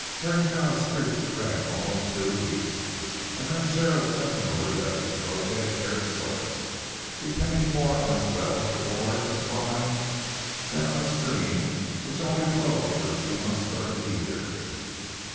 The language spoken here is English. Tarancalous Creek ran almost due east, and rancho Santa Maria was located near its source, depending more on its wells for water supply than on the stream which only flowed for a few months during the year.